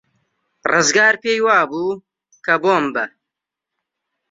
ڕزگار پێی وابوو کە بۆمبە.